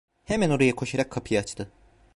Hemen oraya koşarak kapıyı açtı.